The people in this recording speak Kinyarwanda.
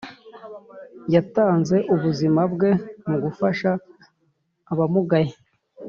yatanze ubuzima bwe mu gufasha abamugaye.